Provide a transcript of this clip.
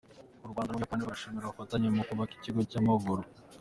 U Rwanda n’u Buyapani barishimira ubufatanye mu kubaka ikigo cy’amahugurwa